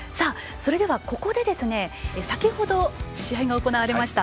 それでは、ここで先ほど試合が行われました